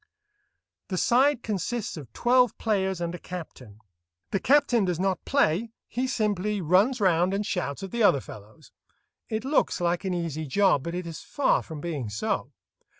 The side consists of twelve players and a captain. The captain does not play; he simply runs round and shouts at the other fellows. It looks like an easy job, but it is far from being so.